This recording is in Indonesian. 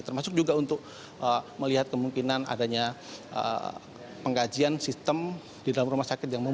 termasuk juga untuk melihat kemungkinan adanya pengkajian sistem di dalam rumah sakit